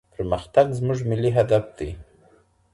پرمختګ زموږ ملي هدف دی.